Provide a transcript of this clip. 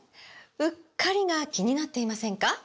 “うっかり”が気になっていませんか？